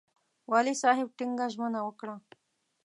والي صاحب ټینګه ژمنه وکړه.